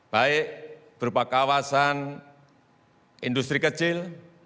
baik berupa kawasan industri kecil